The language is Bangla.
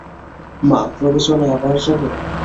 মা, প্রবচনে আবার যাবে?